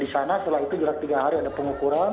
di sana setelah itu jelas tiga hari ada pengukuran